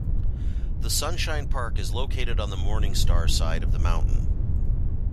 The Sunshine Park is located on the Morning Star side of the mountain.